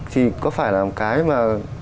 thì có phải là một cái mà